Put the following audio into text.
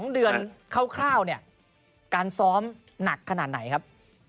๒เดือนคร่าวเนี่ยการซ้อมหนักขนาดไหนครับ